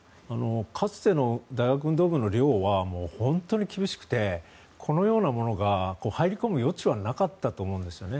かつての大学の運動部の寮は本当に厳しくてこのようなものが入り込む余地はなかったと思うんですね。